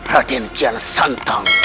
raden kian santang